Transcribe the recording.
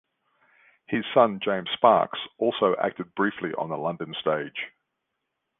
His son James Sparks also acted briefly on the London stage.